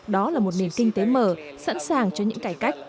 đó là một nền kinh tế mở sẵn sàng cho những cải cách